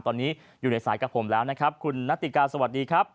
ตอนนี้อยู่ในสายกับผมแล้วนะครับคุณนาติกาสวัสดีครับ